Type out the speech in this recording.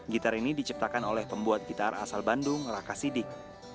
gitar ini diciptakan oleh pembuat gitar asal bandung raka sidik